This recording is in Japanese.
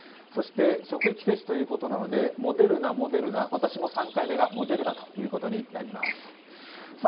そして職域接種ということなのでモデルナ、モデルナ、私も、３回目がモデルナということになります。